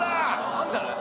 あるんじゃない？